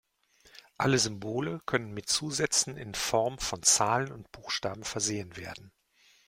Alle Symbole können mit Zusätzen in Form von Zahlen und Buchstaben versehen werden.